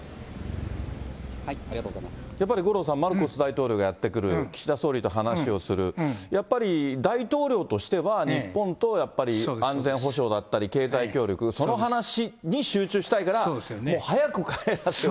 はい、やっぱり五郎さん、マルコス大統領がやって来る、岸田総理と話をする、やっぱり大統領としては、日本と、やっぱり安全保障だったり、経済協力、その話に集中したいからもう早く帰らせたい。